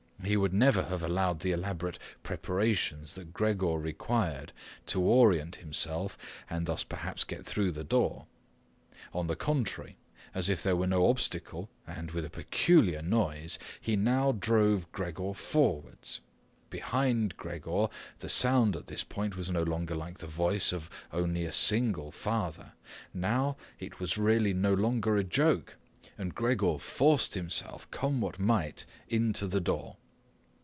He would never have allowed the elaborate preparations that Gregor required to orient himself and thus perhaps get through the door. On the contrary, as if there were no obstacle and with a peculiar noise, he now drove Gregor forwards. Behind Gregor the sound at this point was no longer like the voice of only a single father. Now it was really no longer a joke, and Gregor forced himself, come what might, into the door.